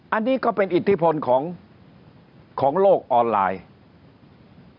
อันนี้ก็เป็นอิทธิพลของโลกออนไลน์